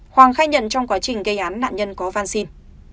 hoàng khai nhận trong quá trình gây án nạn nhân có văn xin